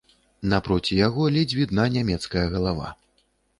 Напроці яго ледзь відна нямецкая галава.